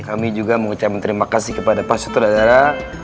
kami juga mengucapkan terima kasih kepada pak sutradara